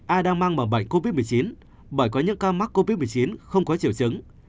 ai đang mang bệnh covid một mươi chín bởi có những ca mắc covid một mươi chín không có triệu chứng